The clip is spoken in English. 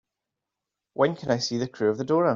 When can I see The Crew of the Dora